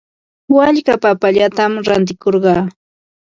Walka papallatam rantirquu.